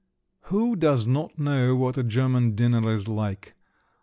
XVI Who does not know what a German dinner is like?